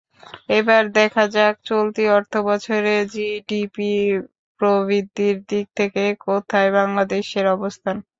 এবার দেখা যাক চলতি অর্থবছরে জিডিপি প্রবৃদ্ধির দিক থেকে কোথায় বাংলাদেশের অবস্থান।